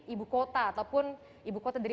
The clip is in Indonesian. ibu kota ataupun ibu kota dari